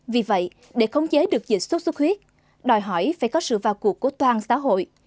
vì vậy để khống chế được dịch xuất xuất huyết đòi hỏi phải có sự vào cuộc của toàn xã hội